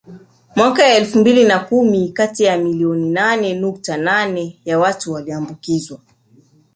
Mwaka elfu mbili na kumi kati ya milioni nane nukta nane ya watu waliambukizwa